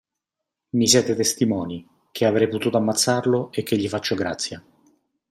Mi siete testimoni, che avrei potuto ammazzarlo e che gli faccio grazia.